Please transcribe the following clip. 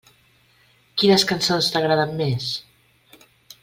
Quines cançons t'agraden més?